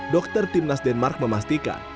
dokter timnas denmark memastikan